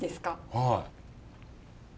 はい。